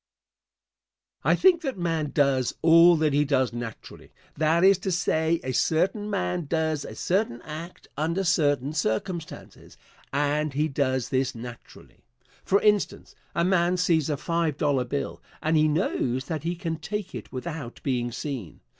I think that man does all that he does naturally that is to say, a certain man does a certain act under certain circumstances, and he does this naturally. For instance, a man sees a five dollar bill, and he knows that he can take it without being seen.